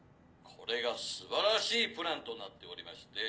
これが素晴らしいプランとなっておりまして。